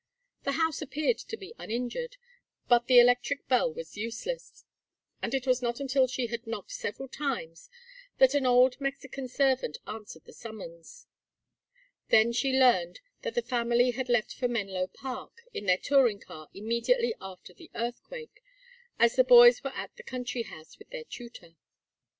The house appeared to be uninjured, but the electric bell was useless, and it was not until she had knocked several times that an old Mexican servant answered the summons. Then she learned that the family had left for Menlo Park in their touring car immediately after the earthquake, as the boys were at the country house with their tutor.